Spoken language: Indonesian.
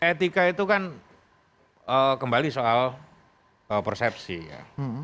etika itu kan kembali soal persepsi ya